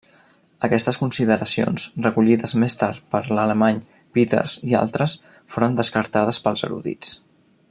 Aquestes consideracions, recollides més tard per l'alemany Peters i altres, foren descartades pels erudits.